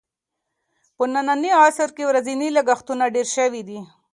په ننني عصر کې ورځني لګښتونه ډېر شوي دي.